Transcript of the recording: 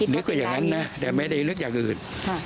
นึกว่าอย่างนั้นนะแต่ไม่ได้นึกอย่างอื่น